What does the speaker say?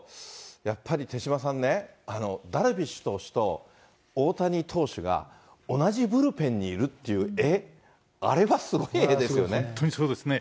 やっぱり手嶋さんね、あのダルビッシュ投手と大谷投手が、同じブルペンにいるっていう絵、本当にそうですね。